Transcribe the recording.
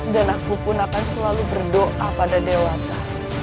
dan aku pun akan selalu berdoa pada dewata